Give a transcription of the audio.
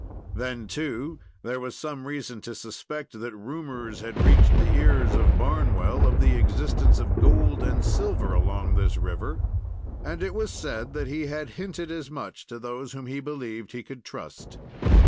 Then, too, there was some reason to suspect that rumors had reached the ears of Barnwell of the existence of gold and silver along this river, and it was said that he had hinted as much to those whom he believed he could trust.